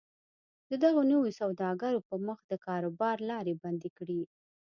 د دغو نویو سوداګرو پر مخ د کاروبار لارې بندې کړي